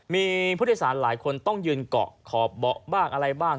มีพฤติศาลหลายคนต้องยืนเกาะขอเบาะบ้างอะไรบ้าง